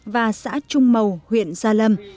và xã trung mầu huyện gia lâm